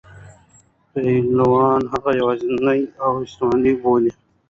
پلویان هغه یوازینی اپوزېسیون بولي.